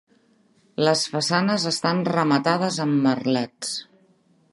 Les façanes estan rematades amb merlets.